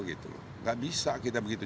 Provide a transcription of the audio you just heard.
nggak bisa kita begitu